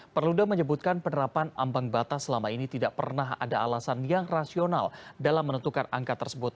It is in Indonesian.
perludem menyebutkan penerapan ambang batas selama ini tidak pernah ada alasan yang rasional dalam menentukan angka tersebut